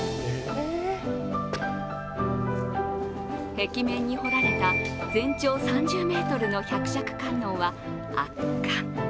壁面にほられた全長３０ｍの百尺観音は圧巻。